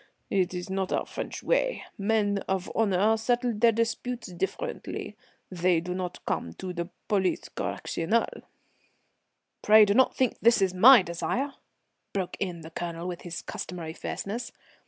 It is not our French way. Men of honour settle their disputes differently; they do not come to the police correctionnelle." "Pray do not think it is my desire," broke in the Colonel, with his customary fierceness.